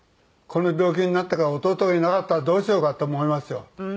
この病気になってから弟がいなかったらどうしようかと思いますよ。